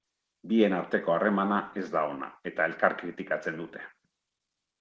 Bien arteko harremana ez da ona eta elkar kritikatzen dute.